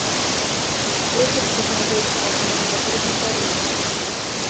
Вецер прагназуецца паўднёва-заходні парывісты.